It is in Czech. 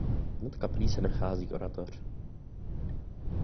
Nad kaplí se nachází oratoř.